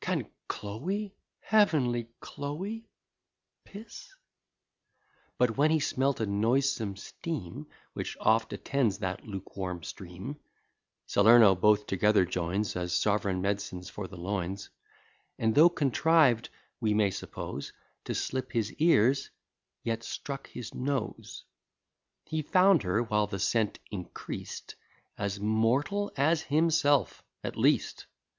Can Chloe, heavenly Chloe, ? But when he smelt a noisome steam Which oft attends that lukewarm stream; (Salerno both together joins, As sov'reign med'cines for the loins:) And though contriv'd, we may suppose, To slip his ears, yet struck his nose; He found her while the scent increast, As mortal as himself at least.